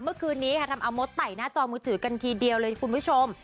เมื่อคืนนี้ค่ะทำเอามดไต่หน้าจอมือถือกันทีเดียวเลยคุณผู้ชม